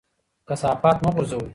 کثافات مه غورځوئ.